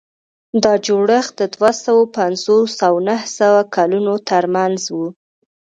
دا جوړښت د دوه سوه پنځوس او نهه سوه کلونو ترمنځ و.